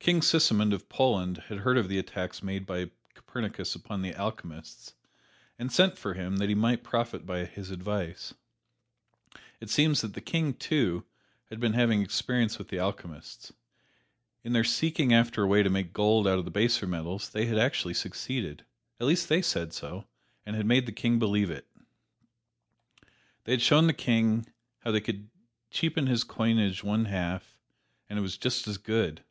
King Sigismund of Poland had heard of the attacks made by Copernicus upon the alchemists, and sent for him that he might profit by his advice, for it seems that the King, too, had been having experience with alchemists. In their seeking after a way to make gold out of the baser metals they had actually succeeded. At least they said so, and had made the King believe it. They had shown the King how he could cheapen his coinage one half, and "it was just as good!"